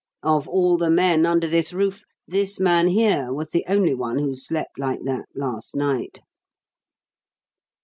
Of all the men under this roof, this man here was the only one who slept like that last night!"